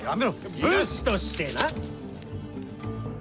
武士として。